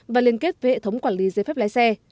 và liên kết với hệ thống quản lý giấy phép lái xe